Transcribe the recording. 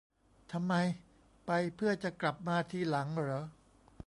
ทำไม ไป เพื่อจะกลับมาทีหลังเหรอ